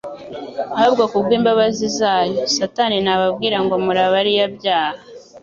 ahubwo kubw'imbabazi zayo.» Satani nababwira ngo muri abariyabyaha